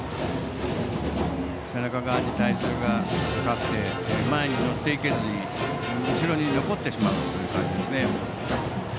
背中側に体重がかかって前に乗っていけずに後ろに残ってしまう感じですね。